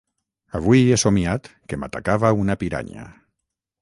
Avui he somiat que m'atacava una piranya.